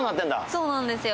そうなんですよ。